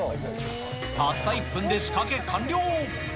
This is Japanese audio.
たった１分で仕掛け完了。